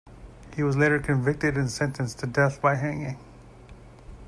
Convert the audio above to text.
He was later convicted and sentenced to death by hanging.